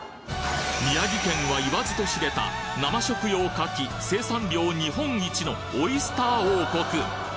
宮城県は言わずと知れた生食用牡蠣生産量日本一のオイスター王国！